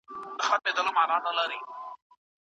که موټر وي نو پښې نه تڼاکې کیږي.